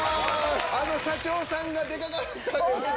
あの社長さんがでかかったですね。